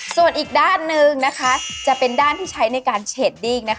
ส่วนอีกด้านหนึ่งจะเป็นด้านที่ใช้ในการเชดดิ้ง